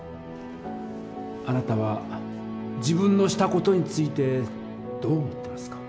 あなたは自分のした事についてどう思ってますか？